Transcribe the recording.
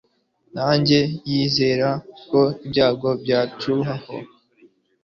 ntajya yizera ko ibyago byamucaho